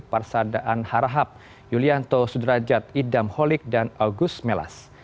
parsadaan harahab yulianto sudrajat idam holik dan august melas